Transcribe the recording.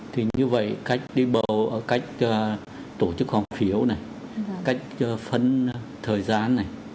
thì như vậy cách tổ chức hòng phiếu cách phân thời gian